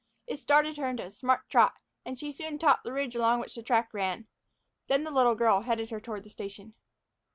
It started her into a smart trot, and she soon topped the ridge along which the track ran. Then the little girl headed her toward the station.